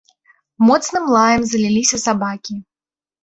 Моцным лаем заліліся сабакі.